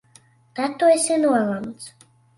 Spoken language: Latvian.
Tad tu esi nolemts!